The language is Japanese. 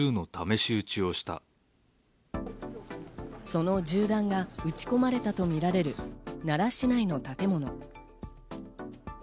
その銃弾が撃ち込まれたとみられる奈良市内の建物。